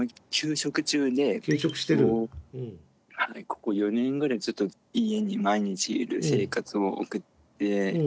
ここ４年ぐらいずっと家に毎日いる生活を送ってまして。